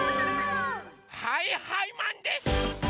はいはいマンです！